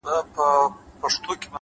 هوډ د شکونو دیوال نړوي’